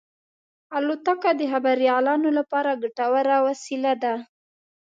الوتکه د خبریالانو لپاره ګټوره وسیله ده.